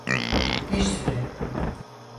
Bir süre.